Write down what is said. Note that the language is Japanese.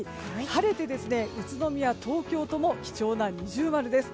晴れて、宇都宮、東京とも貴重な二重丸です。